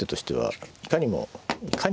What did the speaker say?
はい。